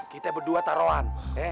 kita berdua taroan